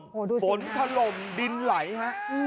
ดูสิฝนถล่มดินไหลฮะ